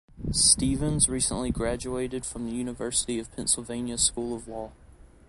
Stevens recently graduated from the University of Pennsylvania School of Law.